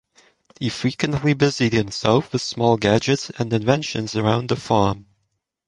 He frequently busied himself with small gadgets and inventions around the farm.